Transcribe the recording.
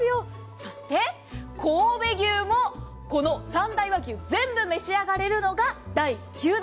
そして神戸牛もこの三大和牛全部召し上がれるのが第９弾。